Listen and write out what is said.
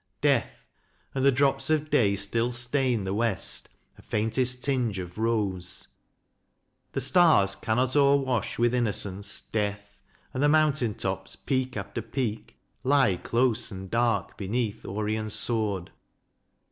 Death and the drops of day Still stain the west a faintest tinge of rose The stars cannot o'erwash with innocence. Death and the mountain tops, peak after peak, Lie close and dark beneath Orion's sword.